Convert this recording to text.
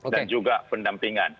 dan juga pendampingan